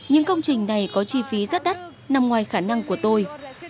những công trình này có chi phí rất đắt nằm ngoài khả năng của tôi